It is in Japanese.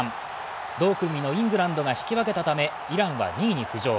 同組のイングランドが引き分けたためイランは２位に浮上。